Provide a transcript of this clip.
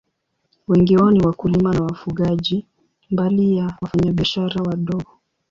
Wengi wao ni wakulima na wafugaji, mbali ya wafanyabiashara wadogo.